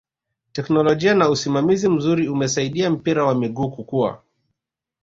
teknolojia na usimamizi mzuri umesaidia mpira wa miguu kukua